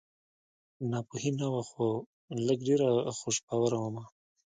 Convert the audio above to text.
ناپوهي نه وه خو لږ ډېره خوش باوره ومه